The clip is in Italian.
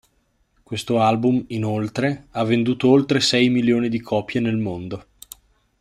Questo album, inoltre, ha venduto oltre sei milioni di copie nel mondo.